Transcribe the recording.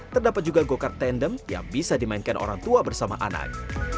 terdapat juga go kart tandem yang bisa dimainkan orang tua bersama anak